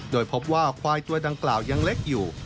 โดยพบว่าควายตัวดังกล่าวยังเล็กอยู่